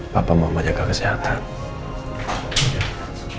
papa mau menjaga kesehatan